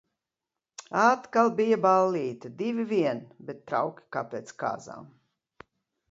Atkal bija ballīte, divi vien, bet trauki kā pēc kāzām.